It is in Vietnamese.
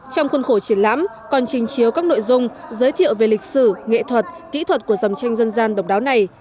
trong khuôn khổ triển lãm còn trình chiếu các nội dung giới thiệu về lịch sử nghệ thuật kỹ thuật của dòng tranh dân gian độc đáo này